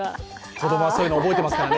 子供はそういうのを覚えてますからね。